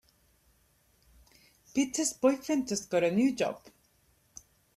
Peter's boyfriend just got a new job.